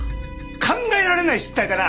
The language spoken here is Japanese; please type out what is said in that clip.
考えられない失態だな。